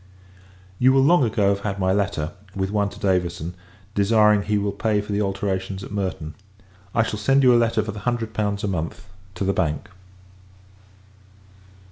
You will long ago have had my letter; with one to Davison, desiring he will pay for the alterations at Merton. I shall send you a letter for the hundred pounds a month, to the Bank.